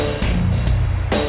kemarin biar musuhphop